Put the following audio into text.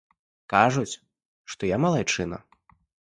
Кажуць, што я малайчына.